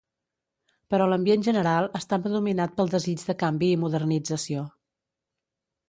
Però l'ambient general estava dominat pel desig de canvi i modernització.